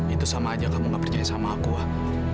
itu sama aja kamu gak percaya sama aku kan